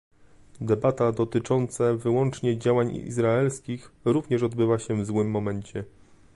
Debata dotyczące wyłącznie działań izraelskich również odbywa się w złym momencie